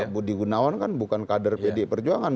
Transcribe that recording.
budi gunawan kan bukan kader pdi perjuangan